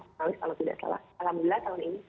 salat terawih kalau tidak salah alhamdulillah tahun ini